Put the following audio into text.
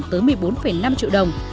tới một mươi bốn năm triệu đồng